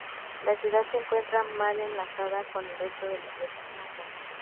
La ciudad se encuentra mal enlazada con el resto de la red nacional.